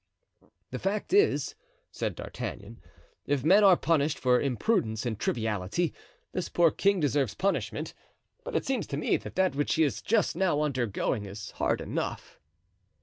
"The fact is," said D'Artagnan, "if men are punished for imprudence and triviality, this poor king deserves punishment. But it seems to me that that which he is just now undergoing is hard enough."